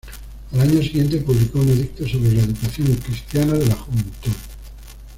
Al año siguiente publicó un edicto sobre la educación cristiana de la juventud.